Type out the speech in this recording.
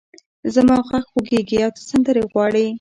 زما غږ خوږېږې او ته سندرې غواړې!